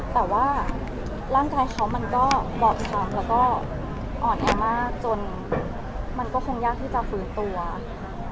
แต่ว่าร่างกายเขามันก็บอบช้ำแล้วก็อ่อนแอมากจนมันก็คงยากที่จะฟื้นตัวค่ะ